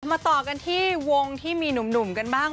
มาต่อกันที่วงที่มีหนุ่มกันบ้าง